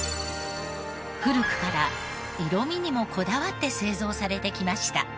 古くから色味にもこだわって製造されてきました。